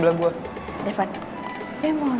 pengangguran dia bajanya baik baik aja kan